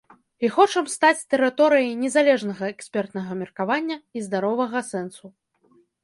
І хочам стаць тэрыторыяй незалежнага экспертнага меркавання і здаровага сэнсу.